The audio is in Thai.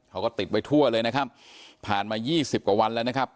เขาก็ติดไว้ทั่วเลยนะครับผ่านมา๒๐กว่าวันแล้วนะครับ